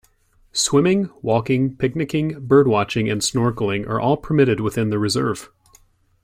Swimming, walking, picnicing, bird watching and snorkelling are all permitted within the reserve.